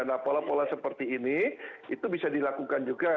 nah pola pola seperti ini itu bisa dilakukan juga